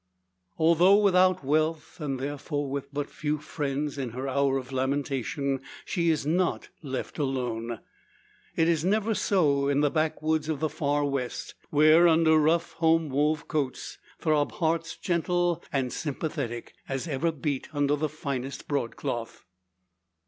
Although without wealth, and therefore with but few friends, in her hour of lamentation she is not left alone. It is never so in the backwoods of the Far West; where, under rough home wove coats, throb hearts gentle and sympathetic, as ever beat under the finest broadcloth.